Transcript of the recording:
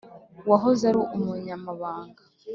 wahoze ari umunyamabanga